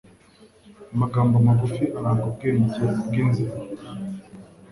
Amagambo magufi aranga ubwenge bwinzira